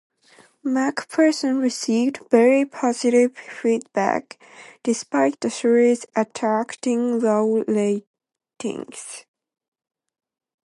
MacPherson received very positive feedback, despite the series attracting low ratings.